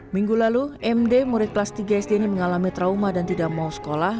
minggu lalu md murid kelas tiga sd ini mengalami trauma dan tidak mau sekolah